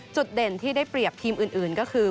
จุดเด่นที่ได้เปรียบทีมอื่นก็คือ